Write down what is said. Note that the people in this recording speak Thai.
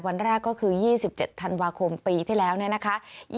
วันแรกก็คือ๒๗ธันวาคมปีที่แล้วเนี่ยนะคะ